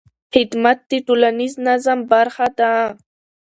خدمت د ټولنیز نظم برخه ده.